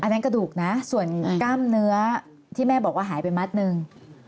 นั่นกระดูกนะส่วนกล้ามเนื้อที่แม่บอกว่าหายไปมัดหนึ่ง